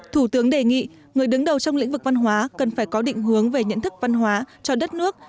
thủ tướng đề nghị người đứng đầu trong lĩnh vực văn hóa cần phải có định hướng về nhận thức văn hóa cho đất nước